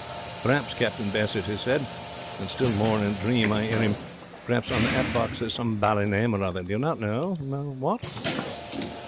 'Per'aps,' Captain Bassett has said and still more in a dream I 'ear him 'per'aps on the 'at box there is some bally name or other, do you not know what?'